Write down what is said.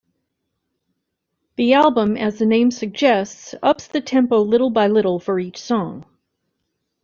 The album, as the name suggests, ups the tempo little-by-little for each song.